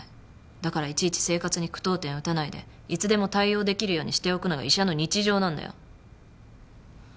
だからいちいち生活に句読点を打たないでいつでも対応できるようにしておくのが医者の日常なんだよ。